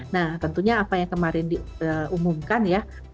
nah tentunya apa yang kemarin diumumkan ya